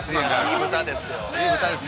◆いい豚ですよ。